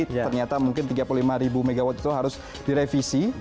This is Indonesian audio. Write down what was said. ternyata mungkin tiga puluh lima ribu megawatt itu harus direvisi